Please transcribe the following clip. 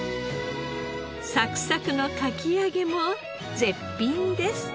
サクサクのかき揚げも絶品です。